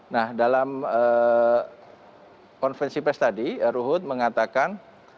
nah dalam konferensi pes tadi ruhut mengatakan